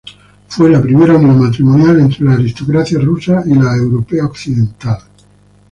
Fue la primera unión matrimonial entre la aristocracia rusa y la europea occidental.